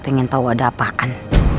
pengen tau ada apaan